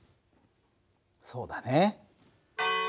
そうだね。